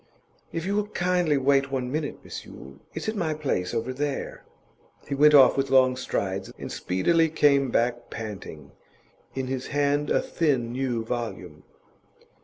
'If you will kindly wait one minute, Miss Yule. It's at my place over there.' He went off with long strides, and speedily came back panting, in his hand a thin new volume.